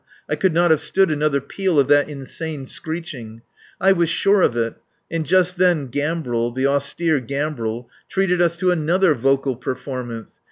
I could not have stood another peal of that insane screeching. I was sure of it; and just then Gambril, the austere Gambril, treated us to another vocal performance.